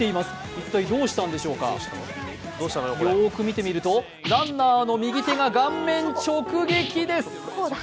一体どうしたんでしょうか、よーく見てみると、ランナーの右手が顔面直撃です。